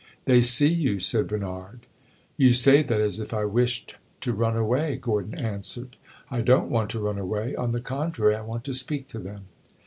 "They see you!" said Bernard. "You say that as if I wished to run away," Gordon answered. "I don't want to run away; on the contrary, I want to speak to them."